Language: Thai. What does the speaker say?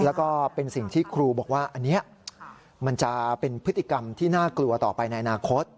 แล้วก็เป็นสิ่งที่ครูบอกว่าอันนี้มันจะเป็นพฤติกรรมที่น่ากลัวต่อไปในอนาคต